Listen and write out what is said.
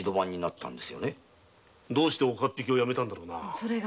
どうして岡っ引きをやめたんだろうな？